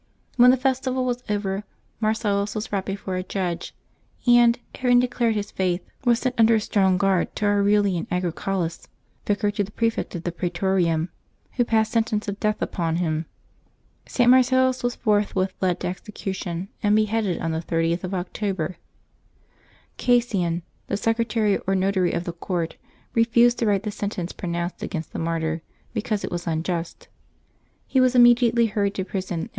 When the festival was over, Marcel lus was brought before a judge, and, having declared his faith, was sent under a strong guard to Aurelian Agrico laus, vicar to the prefect of the pr^etorium, who passed sentence of death upon him. St. Marcellus was forthwith led to execution, and beheaded on the 30th of October. Cassian, the secretary or notary of the court, refused to write the sentence pronounced against the martyr, because it was unjust. He was immediately hurried to prison, and.